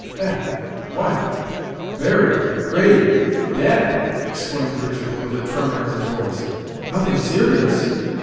"Eh! what! buried! grave! dead!" exclaimed Richard, with a tremor in his voice; "nothing serious?